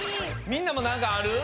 みんなもなんかある？